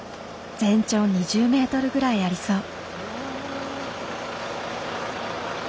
全長２０メートルぐらいありそう。